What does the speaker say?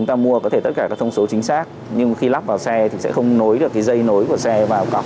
thông số chính xác nhưng khi lắp vào xe thì sẽ không nối được cái dây nối của xe vào cọc